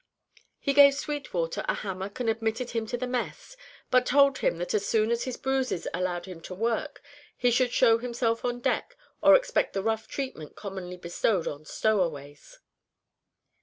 He gave Sweetwater a hammock and admitted him to the mess, but told him that as soon as his bruises allowed him to work he should show himself on deck or expect the rough treatment commonly bestowed on stowaways.